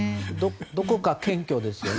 どこか謙虚ですよね。